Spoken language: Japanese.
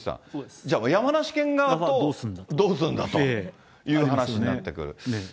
じゃあ、山梨県側とどうするんだという話になってくる。